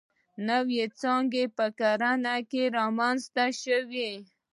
نوې څانګې په کرنه کې رامنځته شوې.